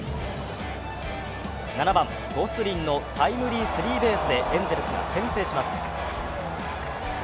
７番・ゴスリンのタイムリースリーベースでエンゼルスが先制します。